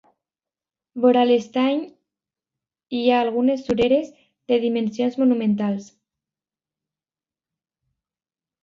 Vora l'estany hi ha algunes sureres de dimensions monumentals.